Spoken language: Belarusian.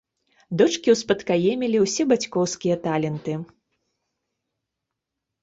Дочкі ўспадкаемілі ўсе бацькоўскія таленты.